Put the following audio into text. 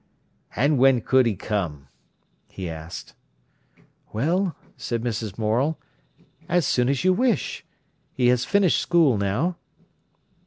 "And when could he come?" he asked. "Well," said Mrs. Morel, "as soon as you wish. He has finished school now."